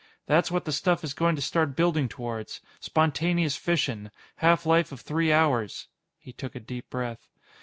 "That's what the stuff is going to start building towards. Spontaneous fission. Half life of three hours." He took a deep breath.